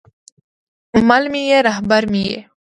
مل مې یې، رهبر مې یې